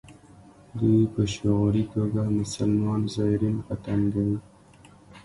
دوی په شعوري توګه مسلمان زایرین په تنګوي.